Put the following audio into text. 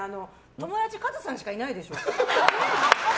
友達、カズさんしかいないでしょ。